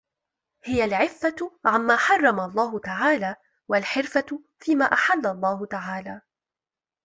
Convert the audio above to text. هِيَ الْعِفَّةُ عَمَّا حَرَّمَ اللَّهُ تَعَالَى وَالْحِرْفَةُ فِيمَا أَحَلَّ اللَّهُ تَعَالَى